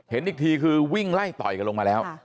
เห็นอีกทีคือวิ่งไล่ต่อยกันลงมาแล้ว